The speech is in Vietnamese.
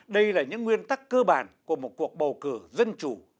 đây là những nguyên tắc cơ bản của một cuộc bầu cử dân chủ